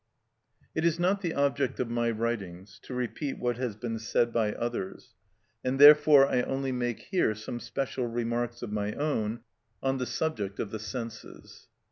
It is not the object of my writings to repeat what has been said by others, and therefore I only make here some special remarks of my own on the subject of the senses.